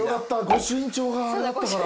御朱印帳があれだったから。